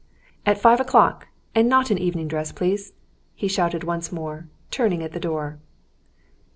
"At five o'clock, and not evening dress, please," he shouted once more, turning at the door.